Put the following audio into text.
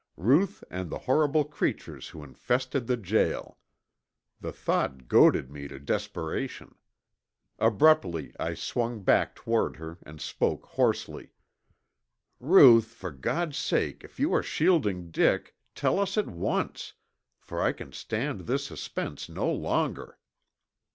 Ruth and the horrible creatures who infested the jail! The thought goaded me to desperation. Abruptly I swung back toward her and spoke hoarsely, "Ruth, for God's sake if you are shielding Dick, tell us at once, for I can stand this suspense no longer!"